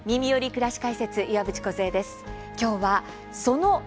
くらし解説」岩渕梢です。